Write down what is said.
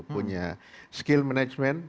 punya skill management